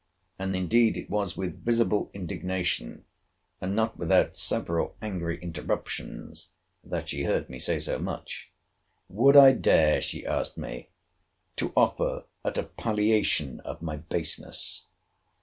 And indeed it was with visible indignation, and not without several angry interruptions, that she heard me say so much. Would I dare, she asked me, to offer at a palliation of my baseness?